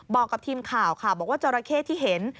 บอกกับทีมข่าวค่ะบอกว่าจราเข้ที่เห็น